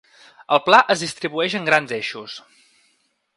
El pla es distribueix en grans eixos.